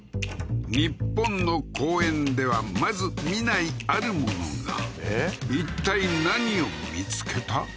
日本の公園ではまず見ないあるものがいったい何を見つけた？